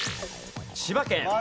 千葉県。